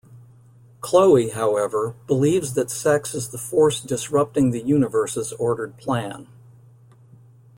Chloe, however, believes that sex is the force disrupting the universe's ordered plan.